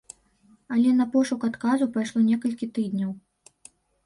Але на пошук адказу пайшло некалькі тыдняў.